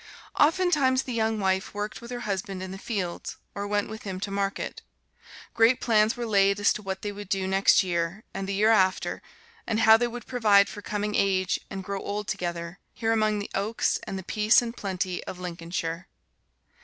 Oftentimes the young wife worked with her husband in the fields, or went with him to market. Great plans were laid as to what they would do next year, and the year after, and how they would provide for coming age and grow old together, here among the oaks and the peace and plenty of Lincolnshire.